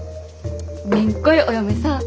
めんこいお嫁さん。